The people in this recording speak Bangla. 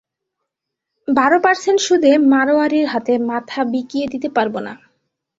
বারো পার্সেন্ট সুদে মাড়োয়ারির হাতে মাথা বিকিয়ে দিতে পারব না।